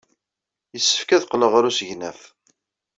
Yessefk ad qqleɣ ɣer usegnaf.